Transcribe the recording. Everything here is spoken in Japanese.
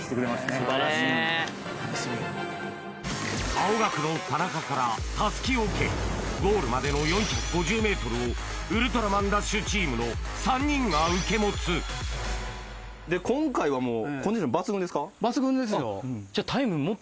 青学の田中から襷を受けゴールまでの４５０ｍをウルトラマンＤＡＳＨチームの３人が受け持つ今回はもう。